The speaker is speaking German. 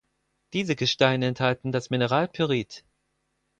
Diese Gesteine enthalten das Mineral Pyrit.